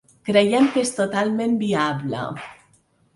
Creiem que és totalment viable.